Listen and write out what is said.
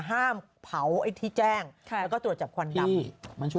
ห้ามเผาไอ้ที่แจ้งแล้วก็ตรวจจับควันดำอีก